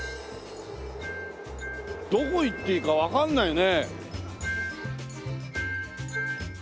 どこ行っていいかわかんないね。